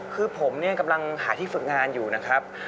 คือผมเนี่ยกำลังหาที่ฝึกงานอยู่นะครับ